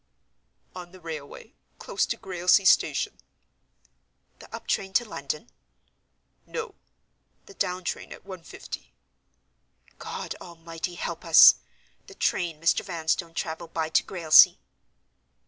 "On the railway. Close to Grailsea Station." "The up train to London?" "No: the down train at one fifty—" "God Almighty help us! The train Mr. Vanstone traveled by to Grailsea?"